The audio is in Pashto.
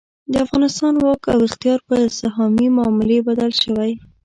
د افغانستان واک او اختیار په سهامي معاملې بدل شوی.